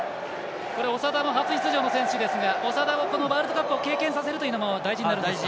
長田も初出場の選手ですが長田にワールドカップを経験させるというのも大事になるでしょうか。